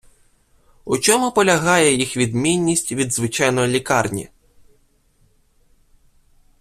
У чому полягає їх відмінність від звичайної лікарні?